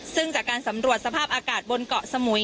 ซึ่งจากการสำรวจสภาพอากาศบนเกาะสมุย